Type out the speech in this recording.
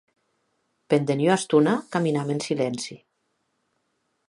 Pendent ua estona caminam en silenci.